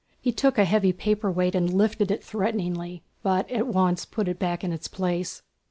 He took a heavy paperweight and lifted it threateningly, but at once put it back in its place.